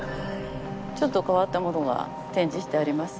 ちょっと変わったものが展示してあります。